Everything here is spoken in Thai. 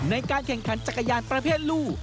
ในการแข่งขันจักรยานประเภทลูก